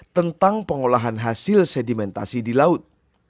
tentang pengolahan hasil sedimentasi di laut